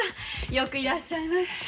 よくいらっしゃいました。